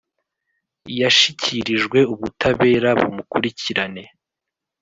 Yashikirijwe ubutabera bumukurikirane